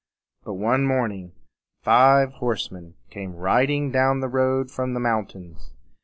But one morning five horsemen came riding down the road from the mountains.